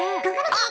あっ